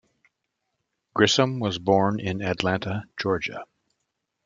Grissom was born in Atlanta, Georgia.